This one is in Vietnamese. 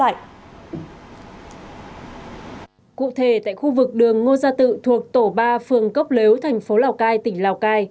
cụ thể tại khu vực đường ngô gia tự thuộc tổ ba phường cốc lếu thành phố lào cai tỉnh lào cai